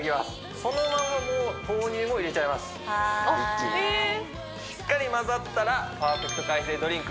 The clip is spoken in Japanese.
そのまましっかり混ざったらパーフェクト海青ドリンク